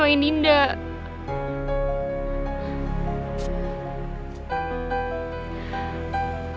tapi kita gak bisa balik ke rumah